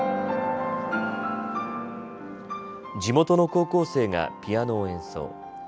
地元の高校生がピアノを演奏。